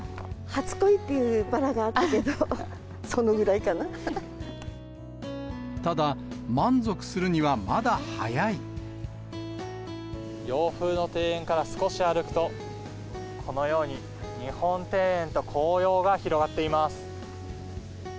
初恋っていうバラがあったけど、ただ、洋風の庭園から少し歩くと、このように、日本庭園と紅葉が広がっています。